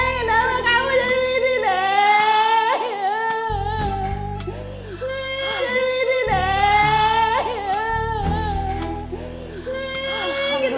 ini udah sama jam pokoknya